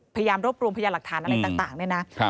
พยายามรวบรวมพยานหลักฐานอะไรต่างเนี่ยนะ